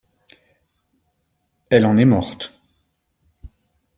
Elle en est morte.